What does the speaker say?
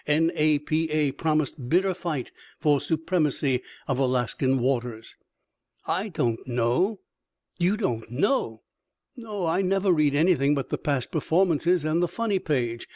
N. A. P. A. PROMISED BITTER FIGHT FOR SUPREMACY OF ALASKAN WATERS! "I don't know." "You don't know?" "No; I never read anything but the 'Past Performances' and the funny page.